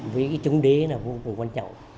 với cái chống đế là vô cùng quan trọng